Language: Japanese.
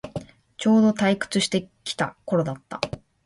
ちょうど退屈してきた頃だった